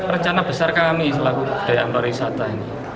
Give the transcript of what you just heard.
rencana besar kami selalu budayaan warisata ini